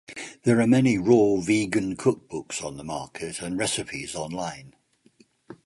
There are many raw vegan cookbooks on the market and recipes online.